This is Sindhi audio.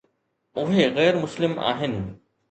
اهي غير مسلم آهن.